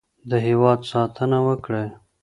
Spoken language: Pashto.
د هېواد ساتنه وکړئ.